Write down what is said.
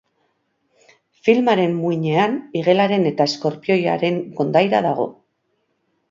Filmaren muinean, igelaren eta eskorpioiaren kondaira dago.